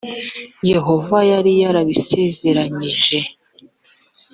yehova yari yarabisezeranyije